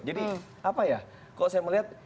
jadi apa ya kalau saya melihat